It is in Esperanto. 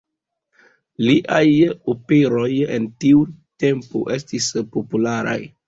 Liaj operoj en tiu tempo estis popularaj.